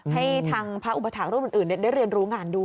ให้ทางพระอุปถักษ์ร่วมอื่นได้เรียนรู้งานดู